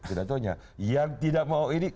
tidak taunya yang tidak mau ini